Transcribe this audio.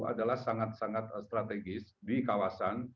adalah sangat sangat strategis di kawasan